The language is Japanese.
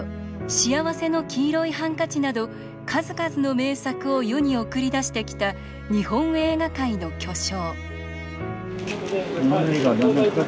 「幸福の黄色いハンカチ」など数々の名作を世に送り出してきた日本映画界の巨匠。